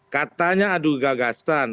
katanya aduh gagasan